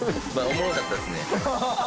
おもろかったですね。